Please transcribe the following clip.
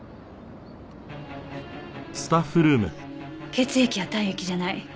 血液や体液じゃない。